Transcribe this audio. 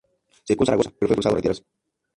Cercó Zaragoza, pero fue forzado a retirarse.